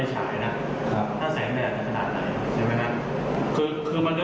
จะถึงแบบนี้